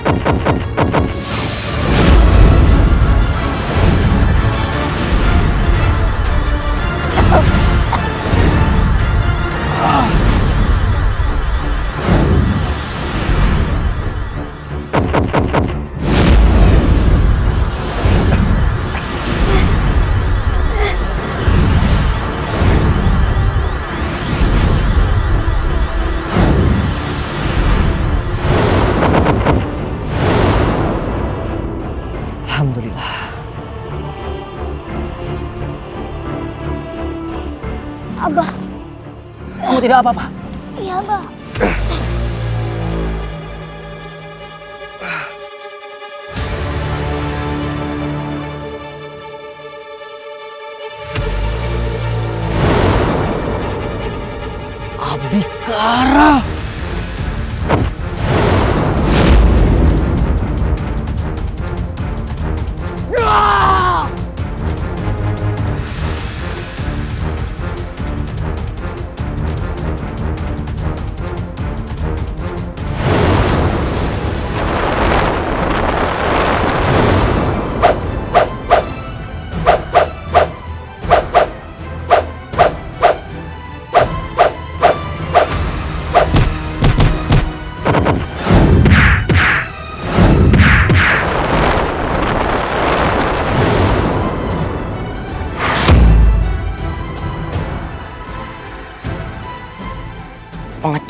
aku harus menolong mereka